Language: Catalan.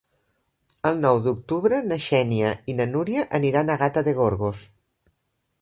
El nou d'octubre na Xènia i na Núria aniran a Gata de Gorgos.